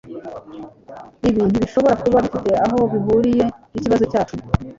Ibi ntibishobora kuba bifite aho bihuriye nikibazo cyacu.